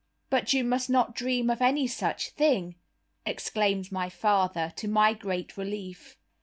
"But you must not dream of any such thing," exclaimed my father, to my great relief.